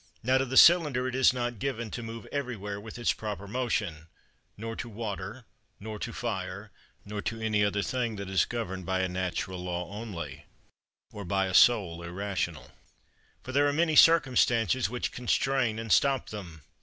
Now to the cylinder it is not given to move everywhere with its proper motion; nor to water, nor to fire, nor to any other thing that is governed by a natural law only, or by a soul irrational; for there are many circumstances which constrain and stop them.